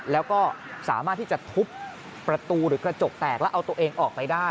แล้วก็สามารถที่จะทุบประตูหรือกระจกแตกแล้วเอาตัวเองออกไปได้